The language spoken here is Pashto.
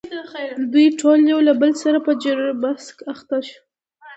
دوی ټول یو له بل سره په جر و بحث اخته وو.